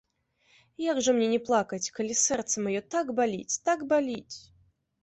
Як жа мне не плакаць, калі сэрца маё так баліць, так баліць!